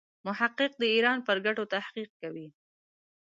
محقق د ایران پر ګټو تحقیق کوي.